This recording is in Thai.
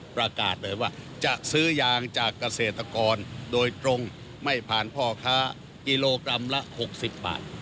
ประกาศเลยว่าจะซื้อยางจากเกษตรกรโดยตรงไม่ผ่านพ่อค้ากิโลกรัมละ๖๐บาท